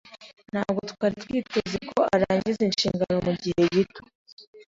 Ntabwo twari twiteze ko arangiza inshingano mugihe gito.